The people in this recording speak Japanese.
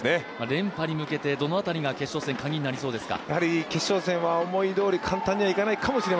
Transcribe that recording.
連覇に向けてどの辺りが決勝戦のカギになりそうですか。